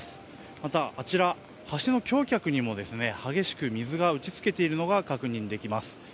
また、橋の橋脚にも激しく水が打ち付けているのが確認できます。